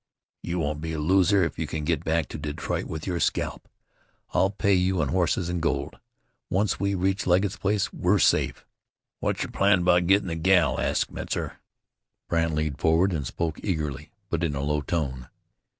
"You won't be a loser if you can get back to Detroit with your scalp. I'll pay you in horses and gold. Once we reach Legget's place we're safe." "What's yer plan about gittin' the gal?" asked Metzar. Brandt leaned forward and spoke eagerly, but in a low tone.